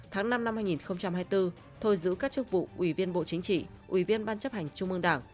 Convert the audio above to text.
tháng năm năm hai nghìn hai mươi bốn thôi giữ các chức vụ ủy viên bộ chính trị ủy viên ban chấp hành trung ương đảng